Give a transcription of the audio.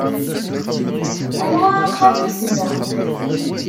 Anwa axxam i yesbeɣ?